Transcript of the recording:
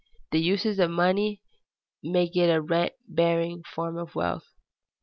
_The uses of money make it a rent bearing form of wealth.